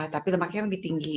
tapi lemaknya lebih tinggi